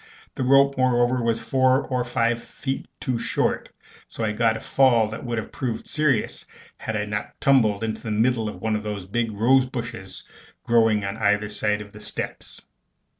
The rope, moreover, was four or five feet too short; so I got a fall that would have proved serious had I not tumbled into the middle of one of the big rose bushes growing on either side of the steps.